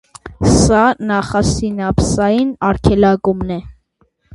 Սա նախասինապսային արգելակում է։